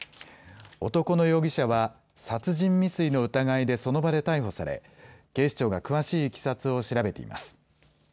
男の容疑者は殺人未遂の疑いでその場で逮捕され警視庁が詳しいいきさつを調べています。